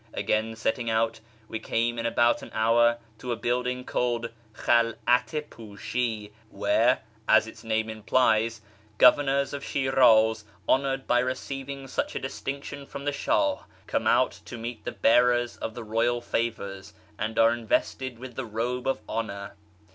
Again setting out, we came in about an hour to a building called KJial' at 2nisM, where, as its name implies, governors of Shiraz, honoured by receiving such a distinction from the Shah, come out to meet the bearers of the royal favours, and are invested with the roloe of honour.